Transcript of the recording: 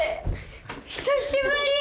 久しぶり！